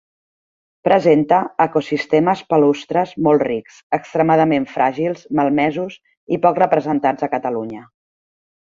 Presenta ecosistemes palustres molt rics, extremadament fràgils, malmesos i poc representats a Catalunya.